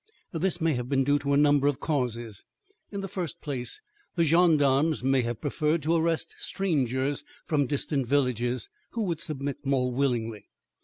This may have been due to a number of causes. In the first place, the gendarmes may have preferred to arrest strangers from distant villages, who would submit more willingly.